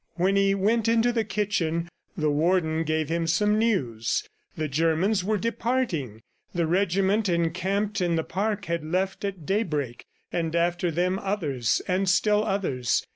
When he went into the kitchen, the Warden gave him some news. The Germans were departing. The regiment encamped in the park had left at daybreak, and after them others, and still others.